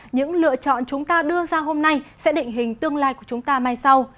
những lựa chọn chúng ta đưa ra hôm nay sẽ định hình tương lai của chúng ta mai sau